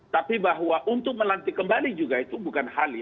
tapi bahwa untuk melantik kembali juga itu bukan hal ya